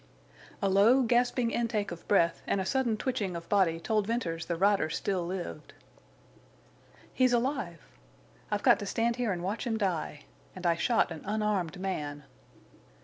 A low, gasping intake of breath and a sudden twitching of body told Venters the rider still lived. "He's alive!... I've got to stand here and watch him die. And I shot an unarmed man."